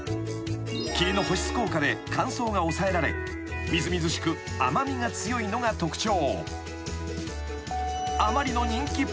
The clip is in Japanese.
［霧の保湿効果で乾燥が抑えられみずみずしく甘味が強いのが特徴］